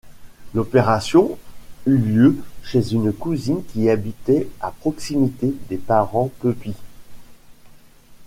L'opération eut lieu chez une cousine qui habitait à proximité des parents Pepys.